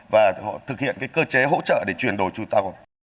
và họ thực hiện cái cơ chế hỗ trợ để chuyển đổi trụ tàu